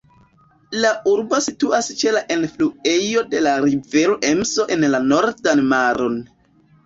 La urbo situas ĉe la enfluejo de la rivero Emso en la Nordan Maron.